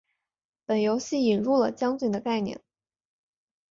本游戏引人了将军的概念。